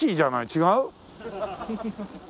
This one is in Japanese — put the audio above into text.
違う？